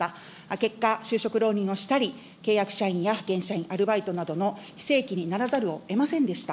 結果、就職浪人をしたり、契約社員や派遣社員、アルバイトなどの非正規にならざるをえませんでした。